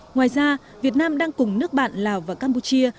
ngoài ra việt nam đang cùng nước bạn lào và campuchia